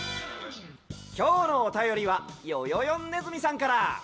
きょうのおたよりはよよよんネズミさんから。